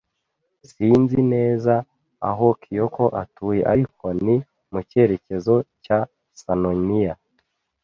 Sinzi neza aho Kyoko atuye, ariko ni mu cyerekezo cya Sannomiya